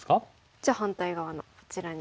じゃあ反対側のこちらに打ちます。